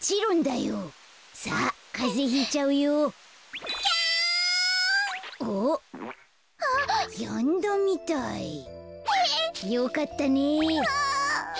よかったね。